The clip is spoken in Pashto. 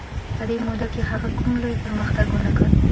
په دې موده کې هغه کوم لوی پرمختګ ونه کړ.